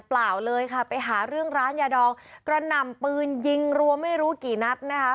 เปล่าเลยค่ะไปหาเรื่องร้านยาดองกระหน่ำปืนยิงรัวไม่รู้กี่นัดนะคะ